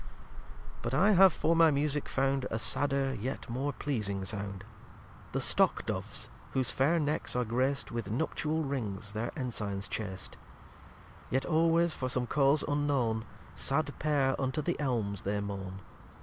lxvi But I have for my Musick found A Sadder, yet more pleasing Sound: The Stock doves whose fair necks are grac'd With Nuptial Rings their Ensigns chast; Yet always, for some Cause unknown, Sad pair unto the Elms they moan.